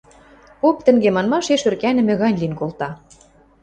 Поп тӹнге манмашеш ӧркӓнӹмӹ гань лин колта.